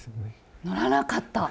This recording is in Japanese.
乗らなかった！